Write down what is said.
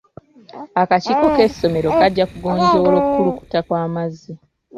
Akakiiko k'essomero kajja kugonjoola okukulukuta kw'amazzi.